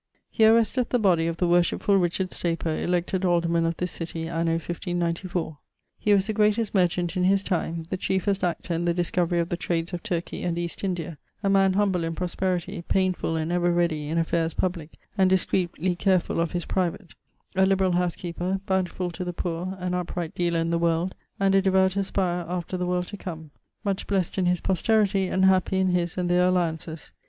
Here resteth the bodie of the worshipfull Richard Staper, elected alderman of this citty anno 1594. He was the greatest merchant in his time, the chiefest actor in the discovery of the trades of Turkey and East India, a man humble in prosperity, painfull and ever ready in affaires publique, and discreetly carefull of his private, a liberall howsekeeper, bountifull to the poore, an upright dealer in the world, and a divout aspirer after the world to come, much blessed in his posterity, and happy in his and their allyaunces.